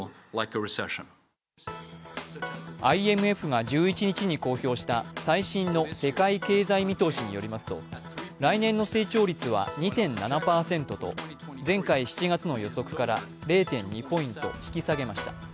ＩＭＦが１１日に公表した最新の世界経済見通しによりますと、来年の成長率は２．７％と前回７月の予測から０．２ポイント引き下げました。